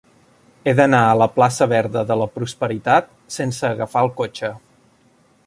He d'anar a la plaça Verda de la Prosperitat sense agafar el cotxe.